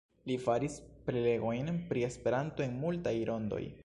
Li faris prelegojn pri Esperanto en multaj rondoj.